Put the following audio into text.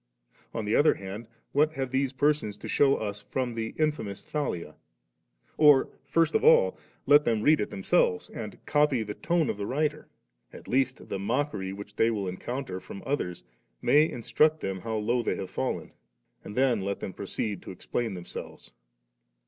On the other hand, what have these persons to shew us from the in&mous Thalia? Or, first of all, let them read it themselves, and copy the tone of the writer ; at least the mockery which they will en counter from others may instruct them how low they have Men ; and then let them proceed to explain themselves.